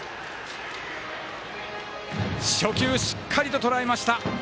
初球しっかりと、とらえました。